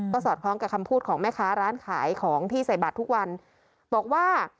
สอดคล้องกับคำพูดของแม่ค้าร้านขายของที่ใส่บัตรทุกวันบอกว่า